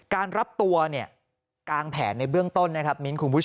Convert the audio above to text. การรับตัวกางแผนในเบื้องต้นนะครับ